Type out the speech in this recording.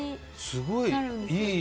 すごい、いい。